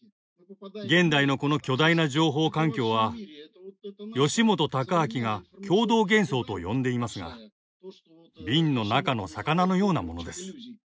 現代のこの巨大な情報環境は吉本隆明が共同幻想と呼んでいますが瓶の中の魚のようなものです。